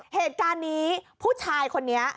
เหตุการณ์นี้ผู้ชายคนนี้